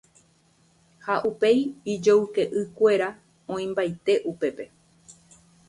ha upéi ijoyke'ykuéra oĩmbaite upépe